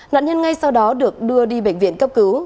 nạn nhân ngay sau đó được đưa đi bệnh viện cấp cứu